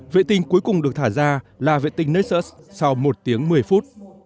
vệ tinh cuối cùng được thả ra là vệ tinh nexus sau một tiếng một mươi phút